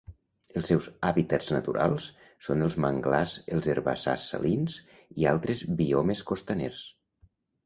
Els seus hàbitats naturals són els manglars, els herbassars salins i altres biomes costaners.